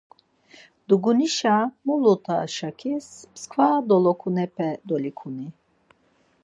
Dugunişa mulut̆a-şakis mskva dolokunupe dolikuni.